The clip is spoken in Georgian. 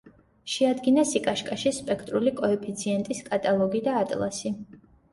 შეადგინა სიკაშკაშის სპექტრული კოეფიციენტის კატალოგი და ატლასი.